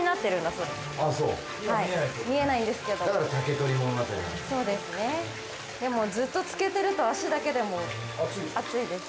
そうですねでもずっとつけてると足だけでも熱いです。